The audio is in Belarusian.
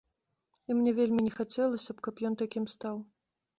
І мне вельмі не хацелася б, каб ён такім стаў.